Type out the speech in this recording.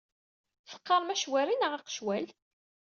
Teqqarem acwari neɣ aqecwal?